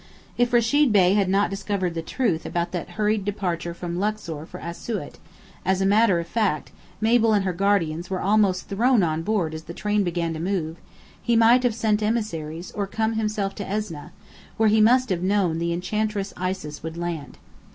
If Rechid Bey had not discovered the truth about that hurried departure from Luxor for Asiut (as a matter of fact, Mabel and her guardians were almost thrown on board as the train began to move) he might have sent emissaries, or come himself to Esneh, where he must have known the Enchantress Isis would land.